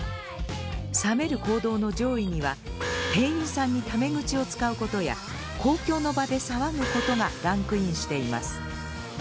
冷める行動の上位には店員さんにタメ口を使うことや公共の場で騒ぐことがランクインしています。